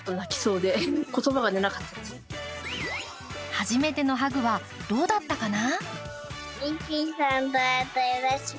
初めてのハグはどうだったかな？